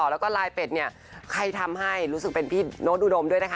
แล้วก็ลายเป็ดเนี่ยใครทำให้รู้สึกเป็นพี่โน้ตอุดมด้วยนะคะ